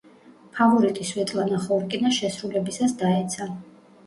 ფავორიტი სვეტლანა ხორკინა შესრულებისას დაეცა.